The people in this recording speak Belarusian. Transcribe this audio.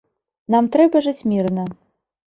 Нам трэба жыць мірна!